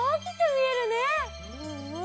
うんうん。